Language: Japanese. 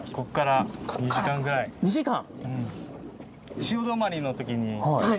２時間！